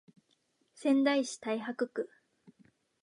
仙台市太白区